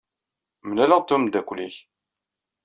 Mlaleɣ-d ed umeddakel-nnek.